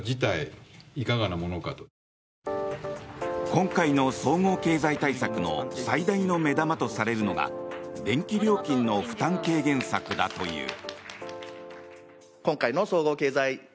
今回の総合経済対策の最大の目玉とされるのが電気料金の負担軽減策だという。